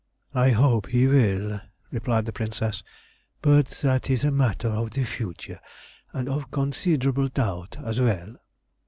"I hope he will," replied the Princess, "but that is a matter of the future and of considerable doubt as well."